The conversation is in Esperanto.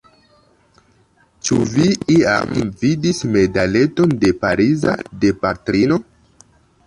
Ĉu vi iam vidis medaleton de Pariza Dipatrino?